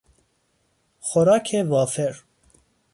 خوراک وافر